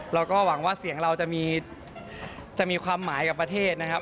เราก็หวังว่าเสียงเราจะมีความหมายกับประเทศนะครับ